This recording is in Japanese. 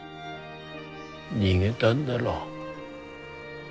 逃げだんだろ。